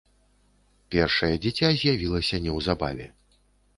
Першае дзіця з'явілася неўзабаве.